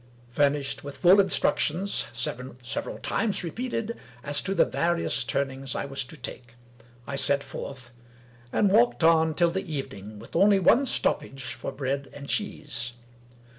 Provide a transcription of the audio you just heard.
Furnished with full instructions, several times repeated, as to the various turnings I was to take, I set forth, and walked on till the evening with only one stoppage for bread and cheese.